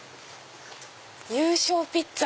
「優勝ピッツァ」。